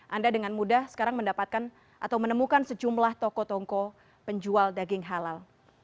anda dengan mudah sekarang mendapatkan atau menemukan sejumlah toko toko penjual daging halal